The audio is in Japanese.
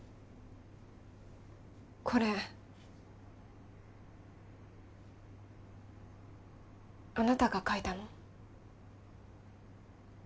これあなたが描いたの？